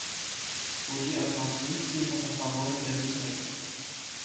Ուժի արթնացում ֆիլմի գլխավոր դերերից մեկը։